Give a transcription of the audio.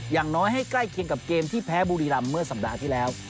อย่างน้อยให้ใกล้เคียงกับเกมที่แพ้บุรีรำเมื่อสัปดาห์ที่แล้ว